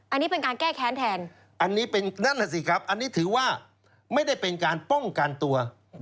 อันนี้เป็นการแก้แค้นแทนอันนี้ถือว่าไม่ได้เป็นการป้องกันตัว